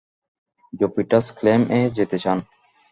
Jupiter's ক্লেইম-এ যেতে চান?